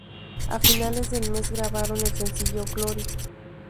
A finales de mes grabaron el sencillo: "Gloria".